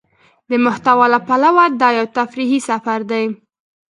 د محتوا له پلوه دا يو تفريحي سفر دى.